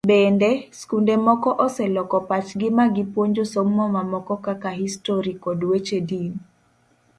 Bende, skunde moko oseloko pachgi ma gipuonjo somo mamoko kaka Histori kod weche din.